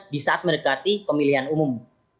di saat mendekati pemilihan umum